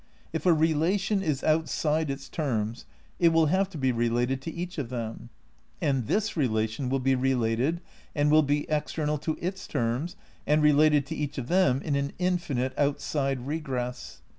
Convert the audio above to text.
^ If a relation is outside its terms it will have to be related to each of them, and this relation will be re lated, and will be external to its terms, and related to each of them in an infinite outside regress.